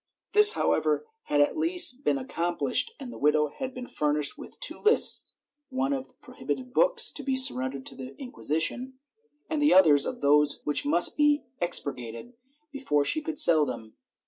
This, how ever, had at last been accomplished, and the widow had been furnished with two lists — one of prohibited books to be surren dered to the Inquisition, and the other of those which must be expurgated before she could sell them.